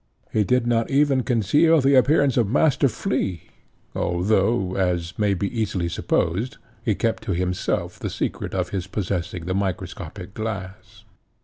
He did not even conceal the appearance of Master Flea, although, as may be easily supposed, he kept to himself the secret of his possessing the microscopic glass.